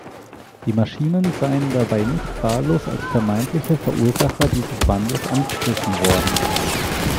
Die Maschinen seien dabei nicht wahllos als vermeintliche Verursacher dieses Wandels angegriffen worden.